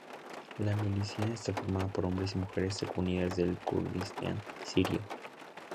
La milicia está formada por hombres y mujeres de comunidades del Kurdistán sirio.